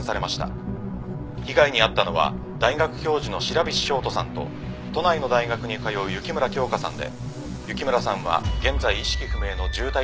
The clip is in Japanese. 被害に遭ったのは大学教授の白菱正人さんと都内の大学に通う雪村京花さんで雪村さんは現在意識不明の重体となっています。